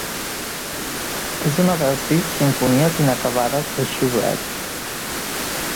És una de les sis simfonies inacabades de Schubert.